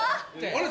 あれ？